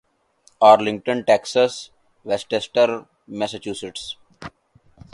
Arlington Texas ویسٹسٹر Massachusetts